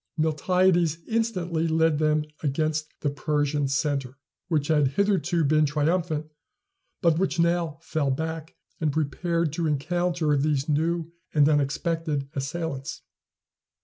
Miltiades instantly led them against the Persian centre, which had hitherto been triumphant, but which now fell back, and prepared to encounter these new and unexpected assailants.